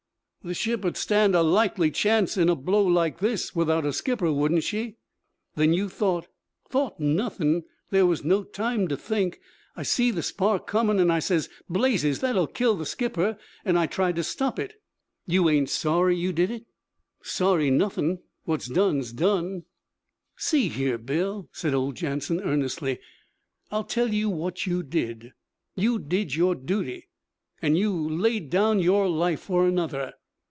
'The ship 'ud stand a likely chance in a blow like this without a skipper, wouldn't she?' 'Then you thought ' 'Thought nothin'! There was no time to think. I see the spar comin' an' I says, "Blazes! That'll kill the skipper!" an' I tried to stop it.' 'You ain't sorry you did it?' 'Sorry nothin. What's done's done.' 'See here, Bill,' said old Jansen earnestly. 'I'll tell you what you did. You did your duty! An' you laid down your life for another.